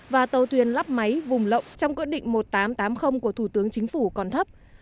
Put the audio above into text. và tàu thuyền lắp máy vùng lộng trong quyết định một nghìn tám trăm tám mươi của thủ tướng chính phủ còn thấp